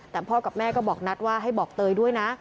แต่พ่อกับแม่ก็บอกนัทว่าให้บอกเตยด้วยนะ